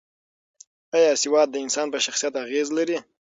ایا سواد د انسان په شخصیت اغېز لري؟